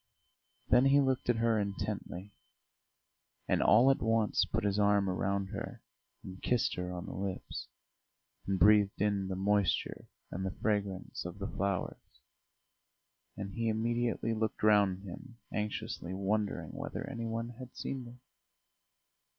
Then he looked at her intently, and all at once put his arm round her and kissed her on the lips, and breathed in the moisture and the fragrance of the flowers; and he immediately looked round him, anxiously wondering whether any one had seen them.